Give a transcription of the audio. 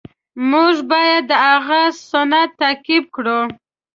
مونږ باید د هغه سنت تعقیب کړو.